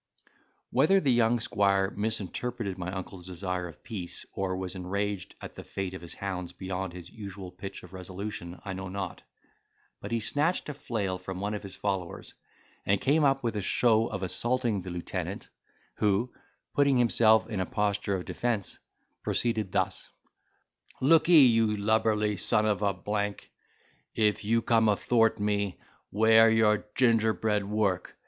Whether the young squire misinterpreted my uncle's desire of peace, or was enraged at the fate of his hounds beyond his usual pitch of resolution, I know not; but he snatched a flail from one of his followers, and came up with a show of assaulting the lieutenant, who, putting himself in a posture of defence, proceeded thus: "Lookee, you lubberly son of a w—e, if you come athwart me, 'ware your gingerbread work.